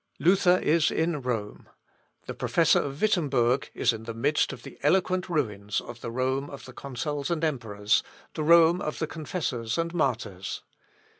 Luther is in Rome; the professor of Wittemberg is in the midst of the eloquent ruins of the Rome of the consuls and emperors the Rome of the confessors and martyrs.